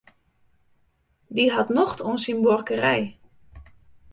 Dy hat nocht oan syn buorkerij.